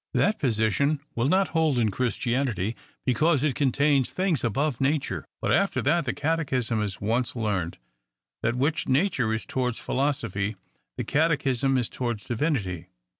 That position will not hold in Christianity, because it contains things above nature ; but after that the catechism is once learned, that which nature is towards philosophy, the catechism is towards divinity.